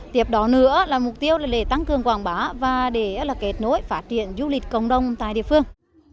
tiếp đó nữa là mục tiêu là để tăng cường quảng bá và để kết nối phát triển du lịch cộng đồng tại địa phương